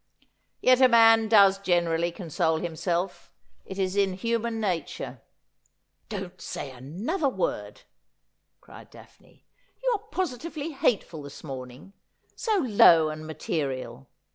' Yet a man does generally console himself. It is in human nature.' ' Don't say another word,' cried Daphne. ' You are positively hateful this morning— so low and material.